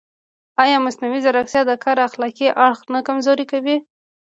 ایا مصنوعي ځیرکتیا د کار اخلاقي اړخ نه کمزوری کوي؟